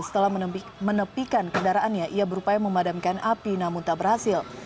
setelah menepikan kendaraannya ia berupaya memadamkan api namun tak berhasil